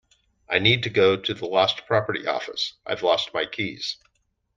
I need to go to the lost property office. I’ve lost my keys